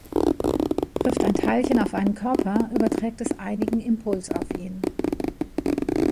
Trifft ein Teilchen auf einen Körper, überträgt es einigen Impuls auf ihn.